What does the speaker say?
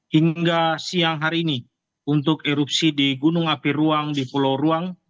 hingga siang hari ini untuk erupsi di gunung api ruang di pulau ruang